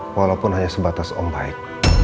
walaupun hanya sebatas om baik